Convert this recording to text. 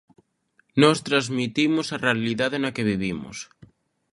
Nos transmitimos a realidade na que vivimos.